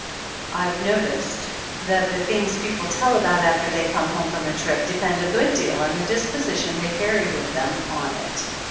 I've noticed that the things people tell about after they come home from a trip depend a good deal on the disposition they carry with them on it.